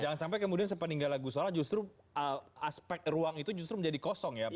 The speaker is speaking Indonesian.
jangan sampai kemudian sepeninggalan gusola justru aspek ruang itu justru menjadi kosong ya pak